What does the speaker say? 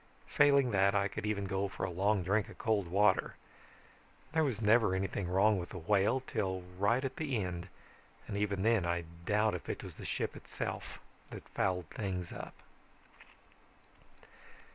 Failing that, I could even go for a long drink of cold water. There was never anything wrong with the Whale till right at the end and even then I doubt if it was the ship itself that fouled things up.